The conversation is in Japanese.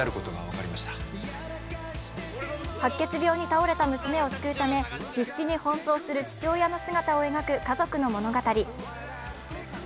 白血病に倒れた娘を救うため必死に奔走する父親の姿を描く家族の物語。